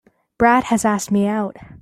Brad has asked me out.